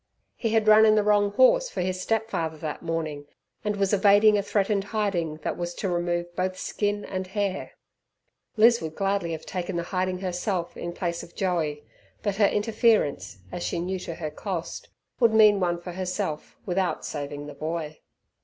He had run in the wrong horse for his step father that morning, and was evading a threatened hiding that was to remove both skin and hair. Liz would gladly have taken the hiding herself in place of Joey, but her interference, as she knew to her cost, would mean one for herself without saving the boy.